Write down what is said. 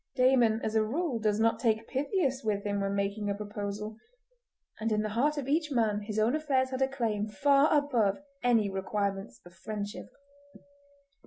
Damon, as a rule, does not take Pythias with him when making a proposal; and in the heart of each man his own affairs had a claim far above any requirements of friendship.